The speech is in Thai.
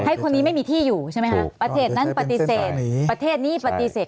ให้คนนี้ไม่มีที่อยู่ใช่ไหมคะประเทศนั้นปฏิเสธประเทศนี้ปฏิเสธ